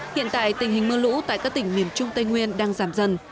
hiện tại tình hình mưa lũ tại các tỉnh miền trung tây nguyên đang giảm dần